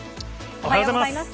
おはようございます。